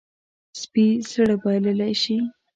سپي زړه بایللی شي.